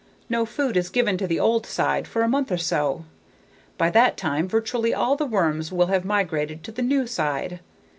No food is given to the "old" side for a month or so. By that time virtually all the worms will have migrated to the "new" side.